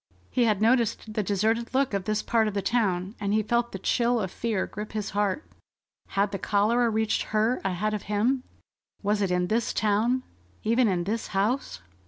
He had noticed the deserted look of this part of the town, and he felt the chill of fear grip his heart. Had the cholera reached her ahead of him? Was it in this town? Even in this house?